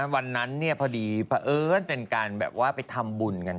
วันนั้นพอดีพระเอิ้งเป็นการไปทำบุญกัน